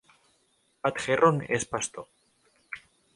Pat Herron és pastor.